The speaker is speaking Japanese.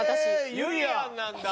ゆりやんなんだ。